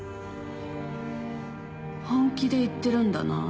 本気で言ってるんだなって。